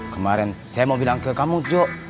kemarin saya mau bilang ke kamu jo